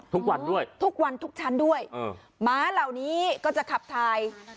ทุกวันด้วยทุกวันทุกชั้นด้วยหมาเหล่านี้ก็จะขับถ่าย